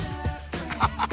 ハハハっ！